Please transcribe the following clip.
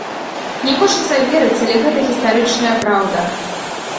Не хочацца верыць, але гэта гістарычная праўда.